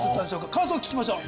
感想を聞きましょう。